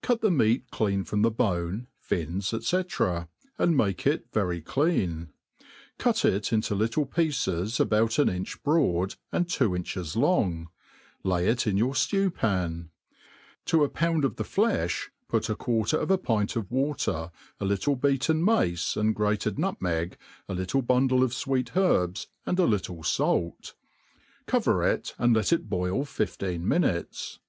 CUT the meat clean from the bone, fins, &c. and make it very clean. Cut it into little pieces, about an inch broad, and two inches long» lay it in^ your ftew pan. To a pound of the flcfli ^ I rJ» THE ART OF COOKERY IMh {Mt ft qtmrter of a pint of vater, i little beaten ft)dce, and #rait^d'n«itneg, a little bundle of ftreet herbs, and a little fait ;' lo^tr it^ and kt it boil fifteen mintites.